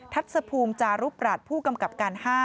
ทัศภูมิจารุปรัฐผู้กำกับการ๕